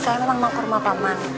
saya memang mau ke rumah paman